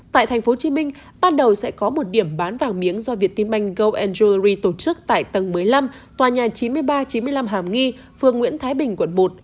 tại tp hcm ban đầu sẽ có một điểm bán vàng miếng do vietinbank gold jewelry tổ chức tại tầng một mươi năm tòa nhà chín mươi ba chín mươi năm hàm nghi phường nguyễn thái bình quận một